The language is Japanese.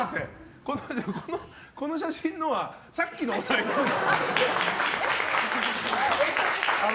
この写真のはさっきのお題です。え？